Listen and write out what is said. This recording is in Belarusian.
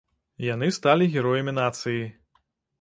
Яны сталі героямі нацыі.